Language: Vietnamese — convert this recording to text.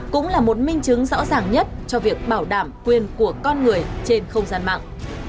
cũng là một minh chứng rõ ràng nhất cho việc bảo đảm quyền của con người trên không gian mạng